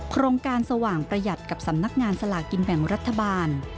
โครงการสว่างประหยัดกับสำนักงานสลากกินแบ่งรัฐบาล